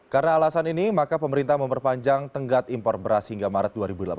karena alasan ini maka pemerintah memperpanjang tenggat impor beras hingga maret dua ribu delapan belas